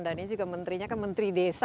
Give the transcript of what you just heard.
dan ini juga menterinya kan menteri desa